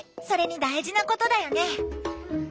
それに大事なことだよね。